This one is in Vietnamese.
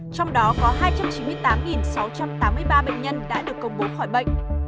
trong đó có hai trăm chín mươi tám sáu trăm tám mươi ba bệnh nhân đã được công bố khỏi bệnh